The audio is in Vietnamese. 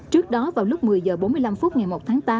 trước đó vào lúc một mươi h bốn mươi năm phút ngày một tháng tám